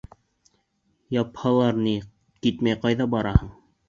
Япһалар ни, китмәй ҡайҙа бараһың?